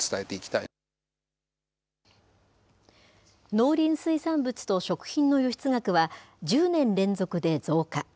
農林水産物と食品の輸出額は、１０年連続で増加。